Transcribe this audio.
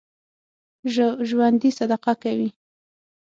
ژوندي صدقه کوي